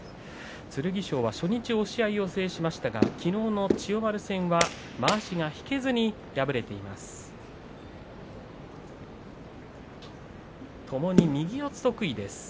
剣翔、初日押し合いを制しましたがきのうの千代丸戦はまわしが引けませんでした。